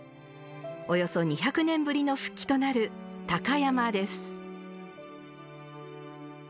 およそ２００年ぶりの復帰となる鷹山です。